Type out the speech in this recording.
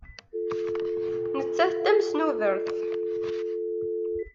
Nettat d tamesnudert.